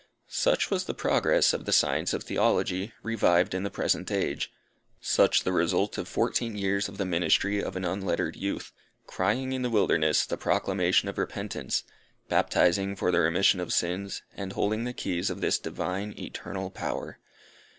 Such was the progress of the science of Theology, revived in the present age; such the result of fourteen years of the ministry of an unlettered youth, crying in the wilderness the proclamation of repentance, baptizing for the remission of sins, and holding the keys of this divine, eternal power.